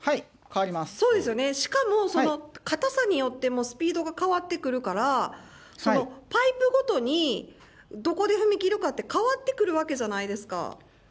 そうですよね、その硬さによってもスピードが変わってくるから、そのパイプごとに、どこで踏み切るかって変わってくるわけじゃないですか。